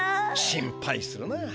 心配するな。